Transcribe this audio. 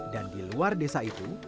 dan di luar desa itu